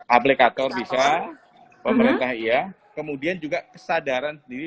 aplikator bisa pemerintah iya kemudian juga kesadaran sendiri